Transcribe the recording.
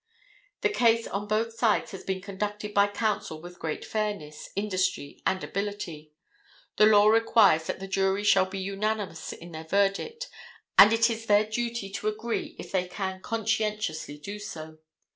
The case on both sides has been conducted by counsel with great fairness, industry and ability. The law requires that the jury shall be unanimous in their verdict, and it is their duty to agree if they can conscientiously do so.